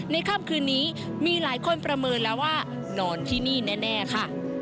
ค่ำคืนนี้มีหลายคนประเมินแล้วว่านอนที่นี่แน่ค่ะ